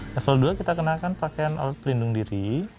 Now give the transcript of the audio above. level dua kita kenakan pakaian alat pelindung diri